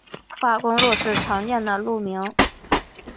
化工路是常见的路名。